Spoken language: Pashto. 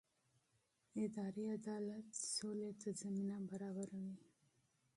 اداري عدالت سولې ته زمینه برابروي